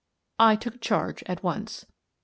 I took charge at once. "Mr.